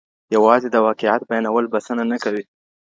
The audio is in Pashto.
يوازې د واقعيت بيانول بسنه نه کوي.